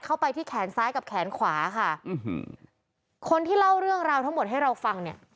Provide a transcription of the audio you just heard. เข้าไปที่แขนซ้ายกับแขนขวาค่ะคนที่เล่าเรื่องราวทั้งหมดให้เราฟังเนี่ย